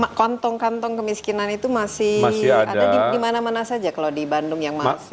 karena kantong kantong kemiskinan itu masih ada di mana mana saja kalau di bandung yang masih